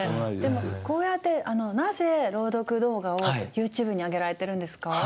でもこうやってなぜ朗読動画をユーチューブに上げられてるんですか？